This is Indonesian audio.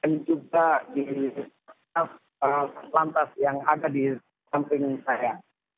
dan juga di lantas yang ada di samping saya